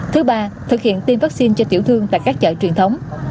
thứ ba thực hiện tiêm vaccine cho tiểu thương tại các chợ truyền thống